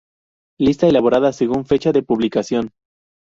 Lista elaborada según fecha de publicación.